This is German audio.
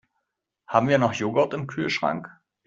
Haben wir noch Joghurt im Kühlschrank?